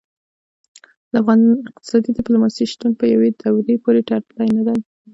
د اقتصادي ډیپلوماسي شتون په یوې دورې پورې تړلی نه دی